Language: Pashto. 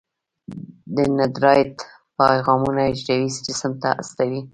دندرایت پیغامونه حجروي جسم ته استوي.